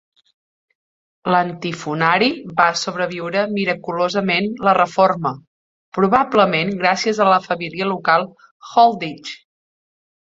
L"antifonari va sobreviure miraculosament la reforma, probablement gràcies a la família local Holdych.